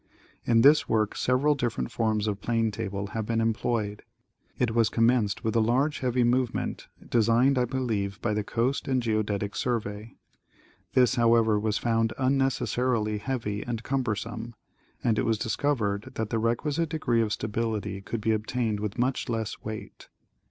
In this work several different forms of plane table have been employed. It was commenced with the large heavy movement designed I believe by the Coast and Geodetic Survey. This, however, was found unnecessarily heavy and cumbersome, and it was discovered that the requisite degree of stability could be obtained with much less weight.